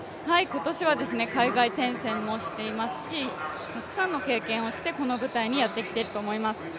今年は海外転戦もしていますし、たくさんの経験をしてこの舞台にやってきていると思います。